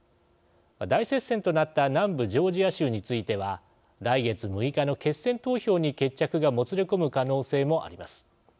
大接戦となった南部ジョージア州については来月６日の決選投票に決着がもつれ込む可能性もあります。